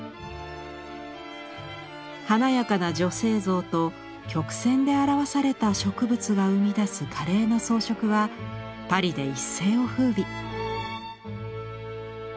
華やかな女性像と曲線で表された植物が生み出す華麗な装飾はパリで一世をふうび。